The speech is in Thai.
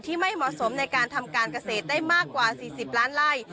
ไม่เหมาะสมในการทำการเกษตรได้มากกว่า๔๐ล้านไล่